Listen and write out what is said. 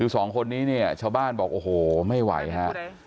สองคนนี้เนี่ยชาวบ้านบอกโอ้โหไม่ไหวฮะ